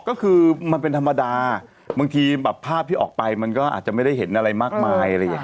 ก็คือมันเป็นธรรมดาบางทีแบบภาพที่ออกไปมันก็อาจจะไม่ได้เห็นอะไรมากมายอะไรอย่างนี้